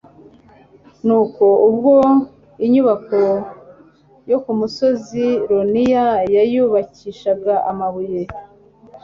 nuko, ubwo inyubako yo ku musozi moriya bayubakishaga amabuye